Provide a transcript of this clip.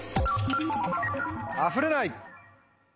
「あふれない」。